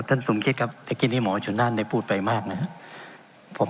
ท่านสมคิตครับได้กินให้หมอชุนด้านได้พูดไปมากนะครับ